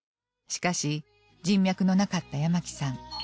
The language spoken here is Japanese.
しかし人脈のなかった八巻さん